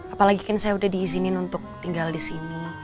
apalagi kan saya udah diizinin untuk tinggal di sini